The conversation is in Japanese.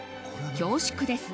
「恐縮です」